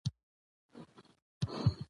تالابونه د افغانستان د اقلیمي نظام ښکارندوی ده.